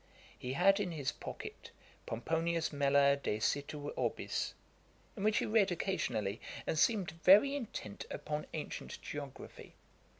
He had in his pocket 'Pomponius Mela de situ Orbis,' in which he read occasionally, and seemed very intent upon ancient geography.